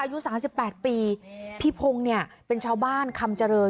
อายุสามสิบแปดปีพี่พงศ์เนี่ยเป็นชาวบ้านคำเจริญ